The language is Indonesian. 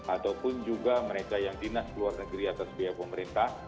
ataupun juga mereka yang dinas luar negeri atas biaya pemerintah